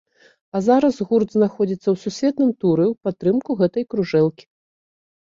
А зараз гурт знаходзіцца ў сусветным туры ў падтрымку гэтай кружэлкі.